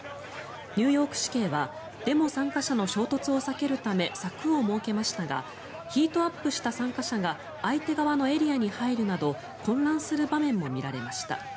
ニューヨーク市警はデモ参加者の衝突を避けるため柵を設けましたがヒートアップした参加者が相手側のエリアに入るなど混乱する場面も見られました。